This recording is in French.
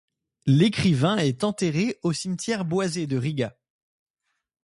L'écrivain est enterré au cimetière boisé de Riga.